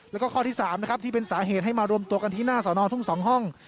แล้วก็ข้อที่๓นะครับที่เป็นสาเหตุให้มารวมตัวกันที่หน้าสอนอทุ่ง๒ห้อง